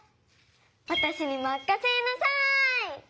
わたしにまかせなさい。